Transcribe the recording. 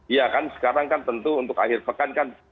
iya kan sekarang kan tentu untuk akhir pekan kan